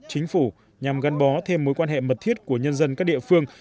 chính phủ nhằm gắn bó thêm mối quan hệ mật thiết của nhân dân các địa phương